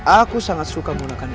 aku sangat suka menggunakan